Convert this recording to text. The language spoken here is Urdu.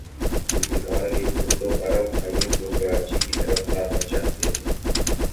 ذوالفقار علی بھٹو عرب بھائیوں کو کراچی کی طرف لانا چاہتے تھے۔